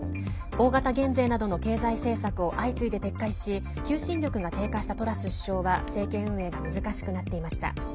大型減税などの経済政策を相次いで撤回し求心力が低下したトラス首相は政権運営が難しくなっていました。